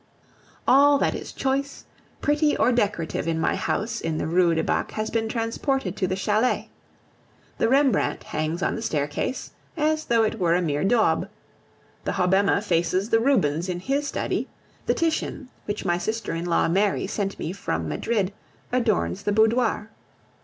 All that is choice, pretty, or decorative in my house in the Rue du Bac has been transported to the chalet. The Rembrandt hangs on the staircase, as though it were a mere daub; the Hobbema faces the Rubens in his study; the Titian, which my sister in law Mary sent me from Madrid, adorns the boudoir.